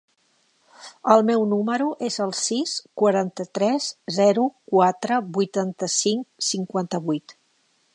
El meu número es el sis, quaranta-tres, zero, quatre, vuitanta-cinc, cinquanta-vuit.